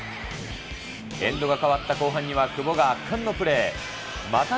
エンドが変わった後半には、久保が圧巻のプレー。